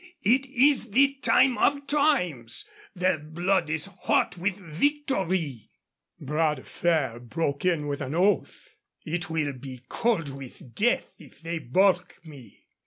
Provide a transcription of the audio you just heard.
It is the time of times. Their blood is hot with victory." Bras de Fer broke in with an oath. "It will be cold with death if they balk me.